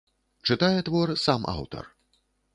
Чытае твор сам аўтар.